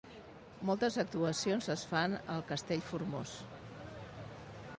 Moltes actuacions es fan al Castell Formós.